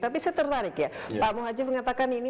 tapi saya tertarik ya pak muhajir mengatakan ini